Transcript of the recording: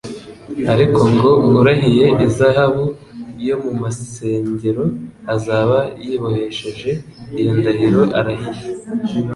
ariko ngo: urahiye izahabu yo mu msengero azaba yibohesheje iyo ndahiro arahiye.